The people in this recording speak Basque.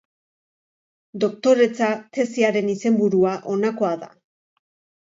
Doktoretza tesiaren izenburua honakoa da.